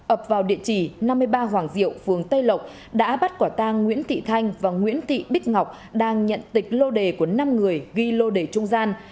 ập vào địa chỉ năm mươi ba hoàng diệu phường tây lộc đã bắt quả tang nguyễn thị thanh và nguyễn thị bích ngọc đang nhận tịch lô đề của năm người ghi lô đề trung gian